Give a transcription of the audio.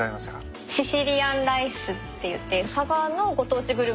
シシリアンライスっていって佐賀のご当地グルメ。